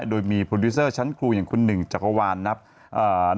โดยมีโปรดิวเซอร์ชั้นครูอย่างคุณหนึ่งจักรวาลนะครับ